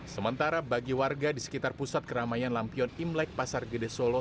sementara bagi warga di sekitar pusat keramaian lampion imlek pasar gede solo